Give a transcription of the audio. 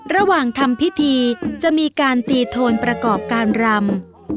ระหว่างทำพิธีจะมีการตีโทนประกอบการรำ